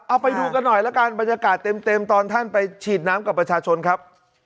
เอาไปดูกันหน่อยละกันบรรยากาศเต็มตอนท่านไปฉีดน้ำกับประชาชนครับ